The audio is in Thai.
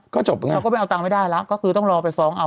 ก็จบเป็นไงแล้วก็เป็นเอาตาร์ไม่ได้ละก็คือต้องรอไปฟ้องเอา